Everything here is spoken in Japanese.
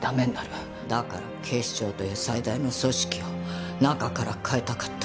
だから警視庁という最大の組織を中から変えたかった。